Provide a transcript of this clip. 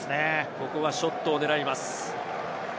ここはショットを狙います。